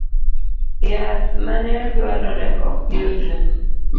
Yath maneduarore okyudre